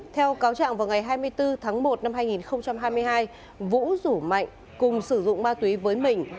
theo cáo trạng vào ngày hai mươi bốn tháng một năm hai nghìn hai mươi hai vũ rủ mạnh cùng sử dụng ma túy với mình